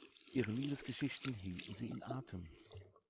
Ihre Liebesgeschichten hielten sie in Atem.